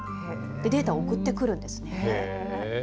データを送ってくるんですね。